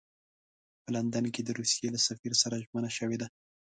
په لندن کې د روسیې له سفیر سره ژمنه شوې ده.